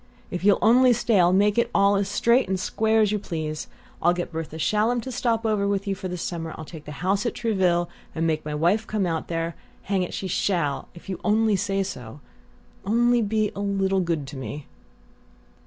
If you'll only stay I'll make it all as straight and square as you please. I'll get Bertha Shallum to stop over with you for the summer; I'll take a house at Trouville and make my wife come out there. Hang it, she SHALL, if you say so! Only be a little good to me!"